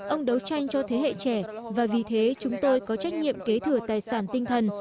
ông đấu tranh cho thế hệ trẻ và vì thế chúng tôi có trách nhiệm kế thừa tài sản tinh thần